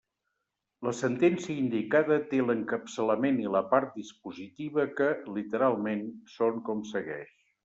La sentència indicada té l'encapçalament i la part dispositiva que, literalment, són com segueix.